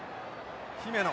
姫野